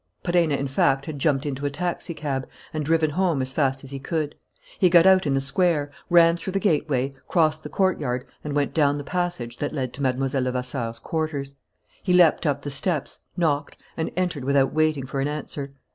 Perenna in fact had jumped into a taxicab and driven home as fast as he could. He got out in the square, ran through the gateway, crossed the courtyard, and went down the passage that led to Mlle. Levasseur's quarters. He leaped up the steps, knocked, and entered without waiting for an answer.